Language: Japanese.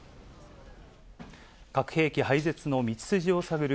核兵器廃絶の道筋を探る